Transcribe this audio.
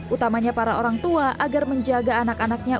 utamanya para orang tua agar menjaga anak anaknya